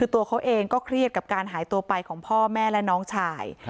คือตัวเขาเองก็เครียดกับการหายตัวไปของพ่อแม่และน้องชาย